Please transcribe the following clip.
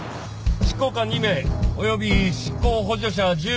執行官２名および執行補助者１０名。